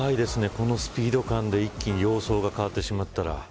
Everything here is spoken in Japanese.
このスピード感で、一気に様相が変わってしまったら。